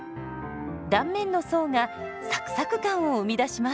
断面の層がサクサク感を生み出します。